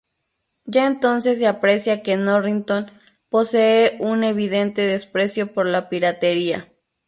Ya entonces se aprecia que Norrington posee un evidente desprecio por la piratería.